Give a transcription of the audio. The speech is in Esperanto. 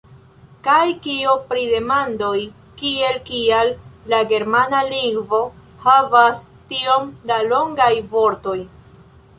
Kaj kio pri demandoj kiel Kial la germana lingvo havas tiom da longaj vortoj?